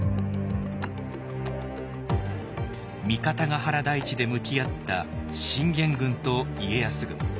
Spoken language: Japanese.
三方ヶ原台地で向き合った信玄軍と家康軍。